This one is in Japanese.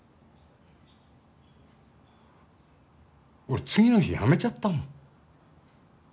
俺次の日辞めちゃったもん。